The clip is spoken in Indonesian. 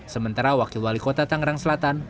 sementara wakil wali kota tangerang selatan